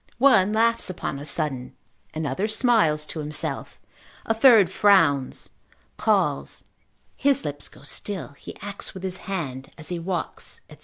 One laughs upon a sudden, another smiles to himself, a third frowns, calls, his lips go still, he acts with his hand as he walks, &c.